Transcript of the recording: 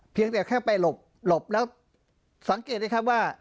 เพียงแต่แค่ไปหลบแล้วสังเกตได้ครับว่า